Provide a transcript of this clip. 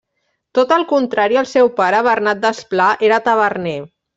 Tot al contrari, el seu pare, Bernat Desplà, era taverner.